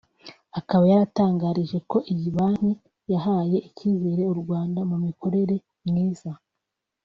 akaba yahatangarije ko iyi Bank yahaye icyizere u Rwanda mu mikorere myiza